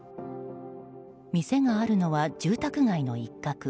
店があるのは住宅街の一角。